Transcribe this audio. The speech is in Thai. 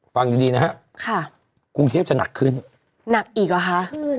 ฟังดีดีนะฮะค่ะกรุงเทพจะหนักขึ้นหนักอีกหรอคะขึ้น